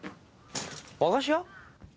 和菓子屋？